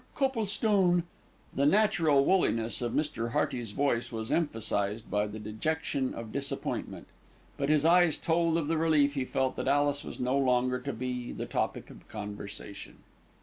Coplestone." The natural woolliness of Mr. Hearty's voice was emphasised by the dejection of disappointment; but his eyes told of the relief he felt that Alice was no longer to be the topic of conversation.